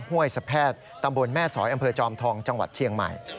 ห้วยสะแพทย์ตำบลแม่สอยอำเภอจอมทองจังหวัดเชียงใหม่